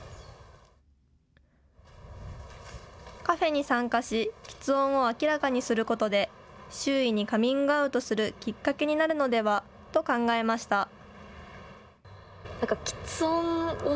カフェに参加し、きつ音を明らかにすることで周囲にカミングアウトするきっかけになるのではと考えました。